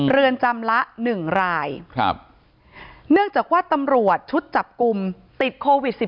เรือนจำละ๑รายเนื่องจากว่าตำรวจชุดจับกลุ่มติดโควิด๑๙